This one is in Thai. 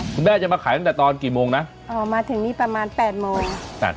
คุณแม่จะมาขายตั้งแต่ตอนกี่โมงนะอ๋อมาถึงนี่ประมาณแปดโมง